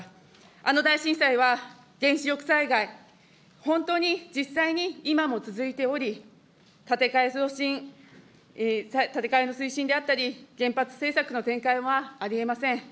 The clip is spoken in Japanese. あの大震災は、原子力災害、本当に実際に今も続いており、建て替えの推進であったり、原発政策の転換はありえません。